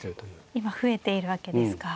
それで今増えているわけですか。